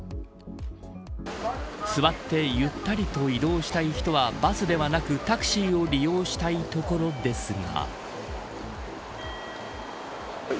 座ってゆったりと移動したい人はバスではなくタクシーを利用したいところですが。